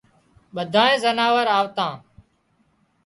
ٻڌانئي زناور آوتان